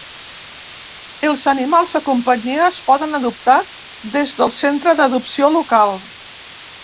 Els animals de companyia es poden adoptar des del centre d'adopció local.